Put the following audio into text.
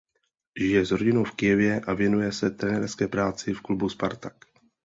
Žije s rodinou v Kyjevě a věnuje se trenérské práci v klubu Spartak.